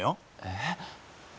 えっ？